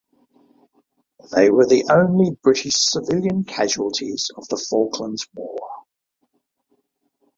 They were the only British civilian casualties of the Falklands War.